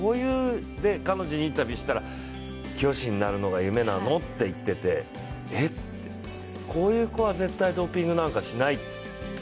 彼女にインタビューしたら教師になるのが夢なのって言っててこういう子は絶対にドーピングなんてしないって。